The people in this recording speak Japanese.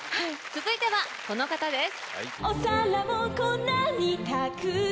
続いてはこの方です。